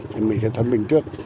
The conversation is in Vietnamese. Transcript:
thì mình sẽ thẩm định trước